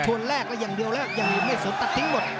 ชวนแรกก็อย่างเดียวแหละยังไม่สนตัดทิ้งหมด